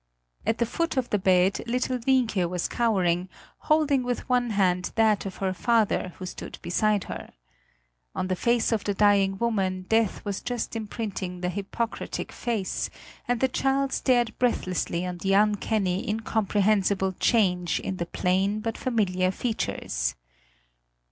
At the foot of the bed little Wienke was cowering, holding with one hand that of her father who stood beside her. On the face of the dying woman death was just imprinting the Hippocratic face, and the child stared breathlessly on the uncanny incomprehensible change in the plain, but familiar features.